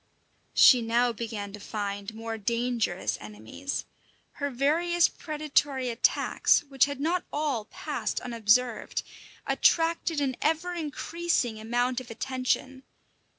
She now began to find more dangerous enemies. Her various predatory attacks, which had not all passed unobserved, attracted an ever increasing amount of attention.